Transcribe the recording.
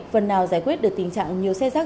phần nào giải quyết được tình trạng nhiều xe rác